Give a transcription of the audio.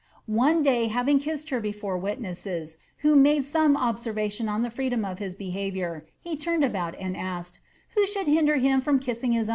One day having kissed her before witnesses, who made some observ* *Jon on the freedom of his behaviour, he turned about and ask^ *^Wlio should hinder him from kissing his own wife